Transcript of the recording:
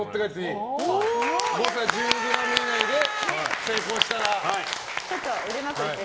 誤差１０ｇ以内で成功したら。